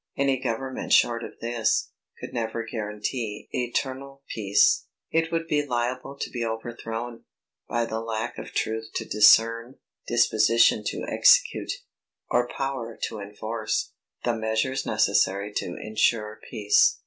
Any government short of this, could never guarantee Eternal Peace. It would be liable to be overthrown, by the lack of truth to discern, disposition to execute, or power to enforce, the measures necessary to insure peace.